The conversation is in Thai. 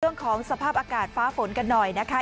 เรื่องของสภาพอากาศฟ้าฝนกันหน่อยนะคะ